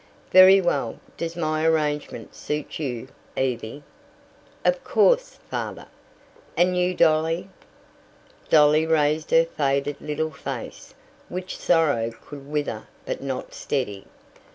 "Very well. Does my arrangement suit you, Evie?" "Of course, Father." "And you, Dolly?" Dolly raised her faded little face, which sorrow could wither but not steady.